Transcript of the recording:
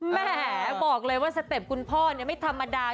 แหมบอกเลยว่าสเต็ปคุณพ่อไม่ธรรมดา